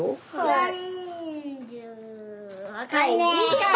はい。